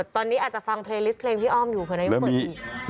ตอนนี้อาจจะฟังเพลงพี่อ้อมอยู่เผื่อนายกจะเปิดอีก